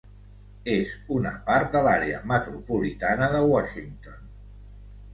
És una part de l'Àrea Metropolitana de Washington.